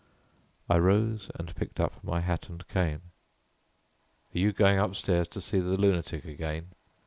I rose and picked up my hat and cane. "Are you going upstairs to see the lunatic again?"